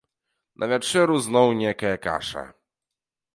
На вячэру зноў нейкая каша.